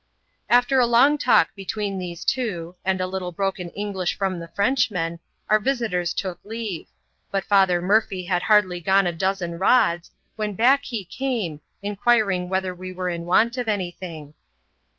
After a long talk between these two, and a little broken English from the Frenchmen, our visitors took leave; but Father Murphy had hardly gone a dozen rods, when back he oame, inquiring whether we were in want of any thing.